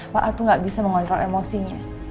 pak al tuh gak bisa mengontrol emosinya